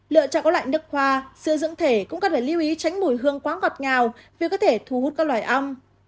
lựa chọn các loại nước hoa sữa dưỡng thể cũng cần phải lưu ý tránh mùi hương quá ngọt ngào vì có thể thu hút các loài ong